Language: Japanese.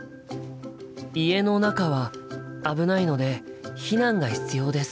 家の中は危ないので避難が必要です。